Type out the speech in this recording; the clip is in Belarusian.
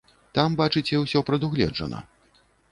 Там, бачыце, усё прадугледжана.